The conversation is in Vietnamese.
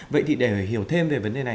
vậy thì để hiểu thêm về vấn đề này